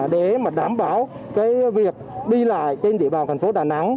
để đảm bảo việc đi lại trên địa bào thành phố đà nẵng